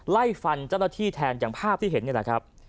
ไล่ฟันเจ้าหน้าที่แทนอย่างภาพที่เห็นนี่แหละครับ